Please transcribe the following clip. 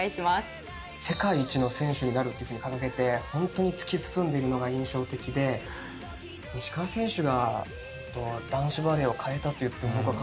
世界一の選手になるって掲げてホントに突き進んでいるのが印象的で石川選手が男子バレーを変えたといっても過言じゃないなと思ってます。